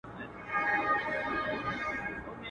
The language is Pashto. ګوندي دا خرابه خونه مو ګلشن شي.